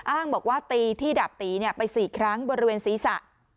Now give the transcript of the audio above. อ้างบอกว่าตีที่ดาบตีไป๔ครั้งบริเวณศีรษะ